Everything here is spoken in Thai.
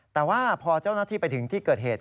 แต่ว่าพอเจ้าหน้าที่ไปถึงที่เกิดเหตุ